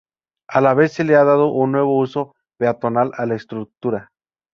A la vez se le ha dado un nuevo uso peatonal a la estructura.